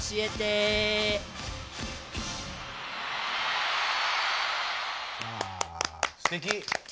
すてき。